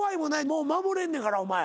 もう守れんねんからお前。